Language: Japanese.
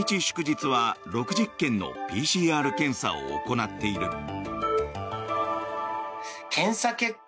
祝日は６０件のＰＣＲ検査を行っている。